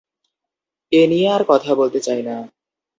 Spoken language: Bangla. এ নিয়ে আর কথা বলতে চাই না।